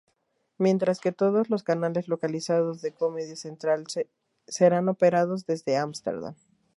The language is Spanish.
Mientras que todos los canales localizados de Comedy Central serán operados desde Amsterdam.